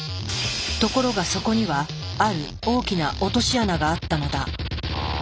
ところがそこにはある大きな落とし穴があったのだ。